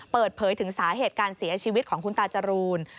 เปิดเผยถึงสาเหตุการเสียชีวิตของคุณตาจรูน